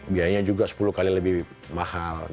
biayanya juga sepuluh kali lebih mahal